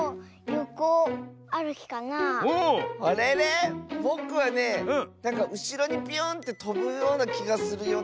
あれれ⁉ぼくはねなんかうしろにビューンってとぶようなきがするよ。